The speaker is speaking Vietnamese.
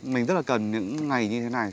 mình rất là cần những ngày như thế này